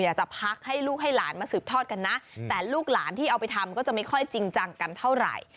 อยากจะพักให้ลูกให้หลานมาสืบทอดกันนะแต่ลูกหลานที่เอาไปทำก็จะไม่ค่อยจริงจังกันเท่าไหร่